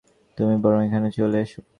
তুমি বরং এখানে চলে এসো।